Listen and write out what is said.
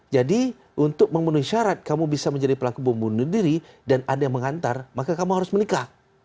jadi untuk memenuhi syarat kamu bisa menjadi pelaku bom bunuh diri dan ada yang mengantar maka kamu harus menikah